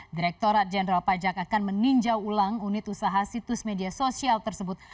direkturat jenderal pajak akan meninjau ulang unit usaha situs media sosial tersebut